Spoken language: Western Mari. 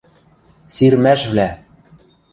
СИРМӒШВЛӒ